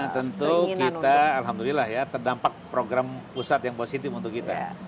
tentu kita alhamdulillah ya terdampak program pusat yang positif untuk kita